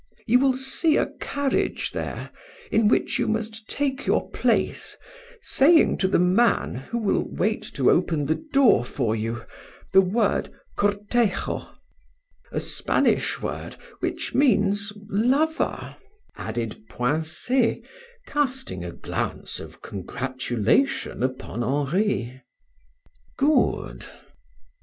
You will see a carriage there, in which you must take your place, saying to the man, who will wait to open the door for you, the word cortejo a Spanish word, which means lover," added Poincet, casting a glance of congratulation upon Henri. "Good."